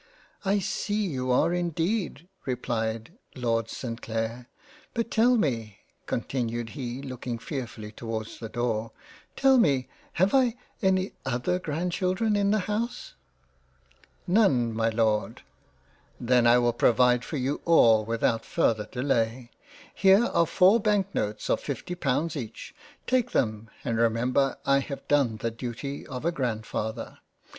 " I see you are indeed ; replied Lord St. Clair — But tell me (continued he looking fearfully towards the Door) tell me, have I any other Grand children in the House." " None my Lord." " Then I will provide for you all without farther delay — Here are 4 Banknotes of 50j£ each — Take them and remember I have done the Duty of a Grandfather."